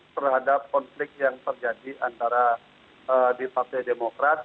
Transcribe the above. terhadap konflik yang terjadi antara di partai demokrat